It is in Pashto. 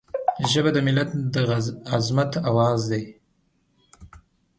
ژبه د ملت د عظمت آواز دی